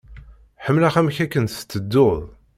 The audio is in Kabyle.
Ḥemmleɣ amek akken tettedduḍ.